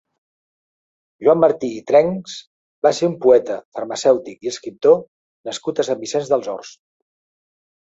Joan Martí i Trenchs va ser un poeta, farmacèutic i escriptor nascut a Sant Vicenç dels Horts.